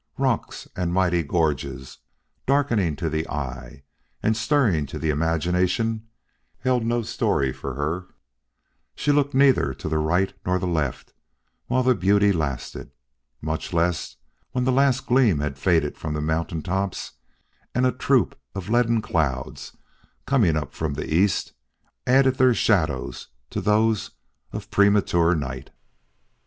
Rocks and mighty gorges darkling to the eye and stirring to the imagination held no story for her; she looked neither to the right nor to the left while the beauty lasted, much less when the last gleam had faded from the mountain tops and a troop of leaden clouds, coming up from the east, added their shadows to those of premature night.